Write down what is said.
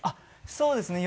そうですね。